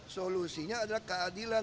solusinya adalah keadilan